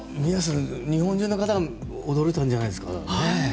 日本中の方驚いたんじゃないですか。